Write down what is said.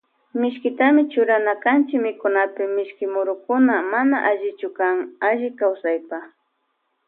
Mishkitami churana kanchi mikunapi mishki murukuna mana allichukan alli kawsaypa.